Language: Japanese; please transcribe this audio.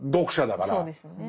そうですよね。